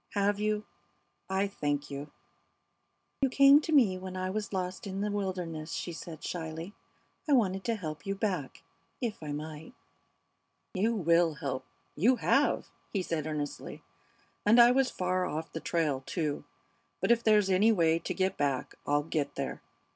"Have you? I thank you." "You came to me when I was lost in the wilderness," she said, shyly. "I wanted to help you back if I might." "You will help you have!" he said, earnestly. "And I was far enough off the trail, too, but if there's any way to get back I'll get there."